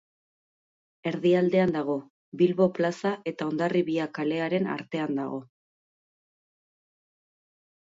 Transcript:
Erdialdean dago, Bilbo plaza eta Hondarribia kalearen artean dago.